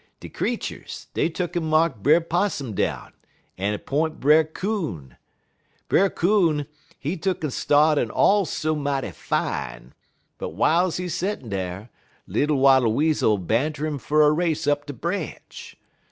"De creeturs, dey tuck'n mark Brer Possum down, en 'p'int Brer Coon. Brer Coon, he tuck'n start in all so mighty fine; but w'iles he settin' dar, little Wattle Weasel banter 'im fer a race up de branch.